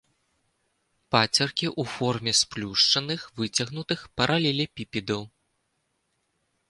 Пацеркі ў форме сплюшчаных выцягнутых паралелепіпедаў.